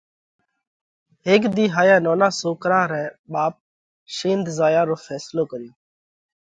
هيڪ ۮِي هائيا نونا سوڪرا رئہ ٻاپ شنڌ زايا رو ڦينصلو ڪريو۔